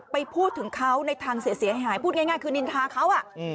ไปพูดถึงเขาในทางเสียหายพูดง่ายคือนินทาเขา